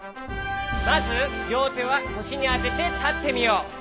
まずりょうてはこしにあててたってみよう。